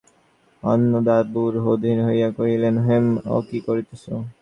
অন্নদাবাবু অধীর হইয়া কহিলেন, হেম, ও কী করিতেছ?